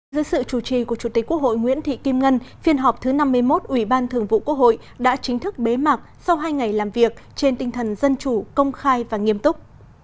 dưới sự chủ trì của chủ tịch quốc hội nguyễn thị kim ngân phiên họp thứ năm mươi một ủy ban thường vụ quốc hội đã chính thức bế mạc sau hai ngày làm việc trên tinh thần dân chủ công khai và nghiêm túc